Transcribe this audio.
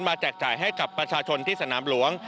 แจกจ่ายให้กับประชาชนที่สนามหลวง